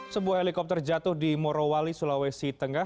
sebuah helikopter jatuh di morowali sulawesi tengah